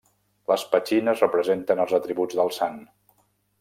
Les petxines representen els atributs del sant.